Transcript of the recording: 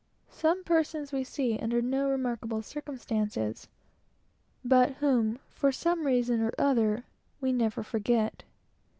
Some people we see under no remarkable circumstances, but whom, for some reason or other, we never forget.